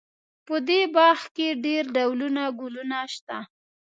په دې باغ کې ډېر ډولونه ګلونه شته